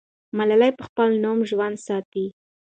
ملالۍ به خپل نوم ژوندی ساتي.